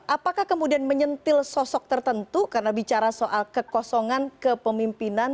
apakah kemudian menyentil sosok tertentu karena bicara soal kekosongan kepemimpinan